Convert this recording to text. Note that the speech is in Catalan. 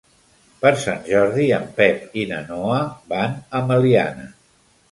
Per Sant Jordi en Pep i na Noa van a Meliana.